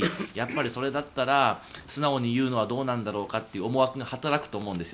それだったら素直に言うのはどうなんだろうかという思惑が働くと思うんですよ。